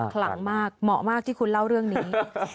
ขลังมากเหมาะมากที่คุณเล่าเรื่องนี้